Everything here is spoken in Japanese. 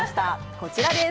こちらです。